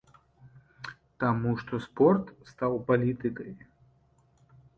Таму што спорт стаў палітыкай.